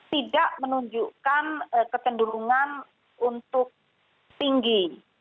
tidak menunjukkan kecenderungan untuk tinggi